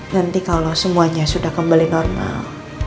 nanti kalau semuanya sudah kembali normal